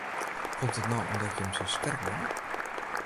Komt it no omdat jim sa sterk binne?